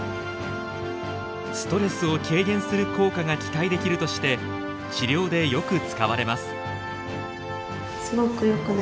ストレスを軽減する効果が期待できるとして治療でよく使われます。